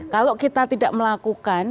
kalau kita tidak melakukan